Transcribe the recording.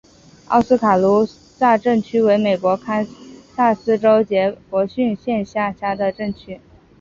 奥斯卡卢萨镇区为美国堪萨斯州杰佛逊县辖下的镇区。